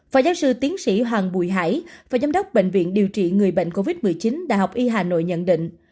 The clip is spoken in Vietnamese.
phát giáo sư tiến sĩ hoàng bùi hải và giám đốc bệnh viện điều trị người bệnh covid một mươi chín đh y hà nội nhận định